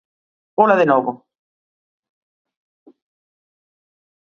Ola de novo.